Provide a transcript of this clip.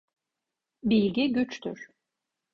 Bilgi güçtür.